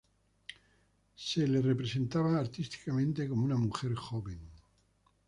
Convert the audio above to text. Se la representaba artísticamente como una mujer joven.